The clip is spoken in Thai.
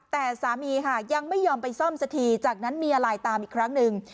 แต่สามีค่ะยังไม่ยอมไปซ่อมสักทีจากนั้นเมียไลน์ตามอีกครั้งหนึ่ง